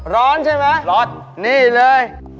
ร้อนใช่ไหมนี่เลยร้อน